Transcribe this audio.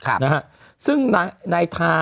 ครับนะฮะซึ่งนายทา